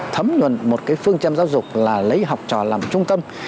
thấm nhuận một phương châm giáo dục là lấy học trò làm trung tâm